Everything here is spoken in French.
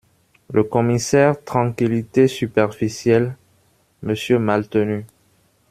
Le Commissaire Tranquillité superficielle, Monsieur Maltenu…